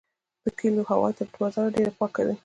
د کلیو هوا تر بازار ډیره پاکه وي.